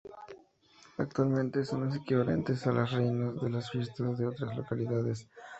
Actualmente, son las equivalentes a las reinas de las fiestas de otras localidades.